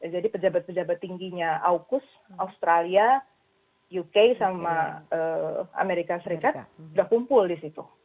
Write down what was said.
jadi pejabat pejabat tingginya aukus australia uk sama amerika serikat sudah kumpul di situ